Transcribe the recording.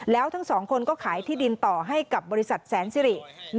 แล้วทั้งสองคนก็ขายที่ดินต่อให้กับบริษัทแสนสิริ